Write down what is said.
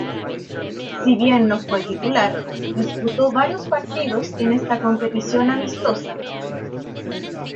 Si bien no fue titular, disputó varios partidos en esta competición amistosa.